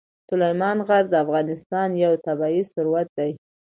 سلیمان غر د افغانستان یو طبعي ثروت دی.